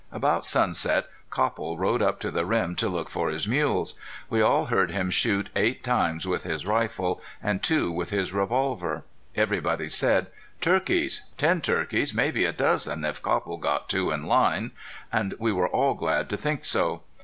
About sunset Copple rode up to the rim to look for his mules. We all heard him shoot eight times with his rifle and two with his revolver. Everybody said: "Turkeys! Ten turkeys maybe a dozen, if Copple got two in line!" And we were all glad to think so.